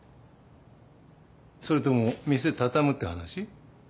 それとも店畳むって話？